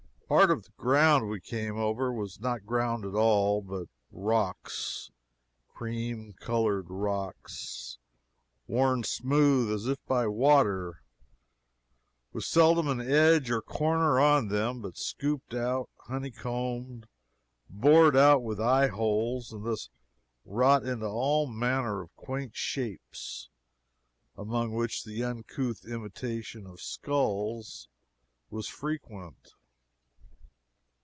Part of the ground we came over was not ground at all, but rocks cream colored rocks, worn smooth, as if by water; with seldom an edge or a corner on them, but scooped out, honey combed, bored out with eye holes, and thus wrought into all manner of quaint shapes, among which the uncouth imitation of skulls was frequent.